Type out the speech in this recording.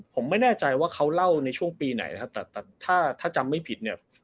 ผมไม่แน่ใจว่าเขาเล่าในช่วงปีไหนแต่ถ้าจำไม่ผิด